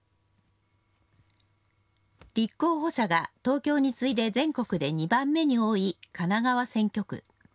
立候補者が、東京に次いで全国で２番目に多い神奈川選挙区。